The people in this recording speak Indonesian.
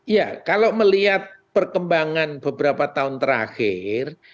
ya kalau melihat perkembangan beberapa tahun terakhir